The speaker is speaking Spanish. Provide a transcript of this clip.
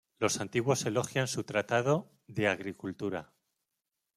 Los antiguos elogian su tratado "De agricultura".